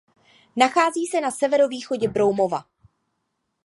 Nachází se na severovýchodě Broumova.